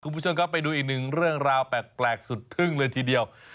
คุณผู้ชมครับไปดูอีกหนึ่งเรื่องราวแปลกสุดทึ่งเลยทีเดียว